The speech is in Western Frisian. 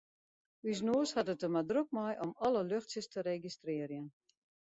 Us noas hat it der mar drok mei om alle luchtsjes te registrearjen.